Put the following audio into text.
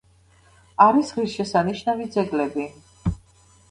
არის ღირსშესანიშნავი ძეგლები.